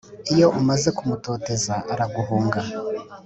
Iyo umaze kumutoteza, araguhunga,